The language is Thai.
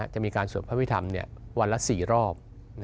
จะมีการสวดพระพิธรรมวันละ๔รอบ